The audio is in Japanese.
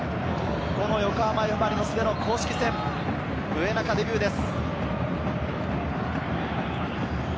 横浜Ｆ・マリノスでの公式戦、植中、デビューです。